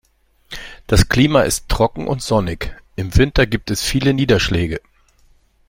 Das Klima ist trocken und sonnig, im Winter gibt es viele Niederschläge.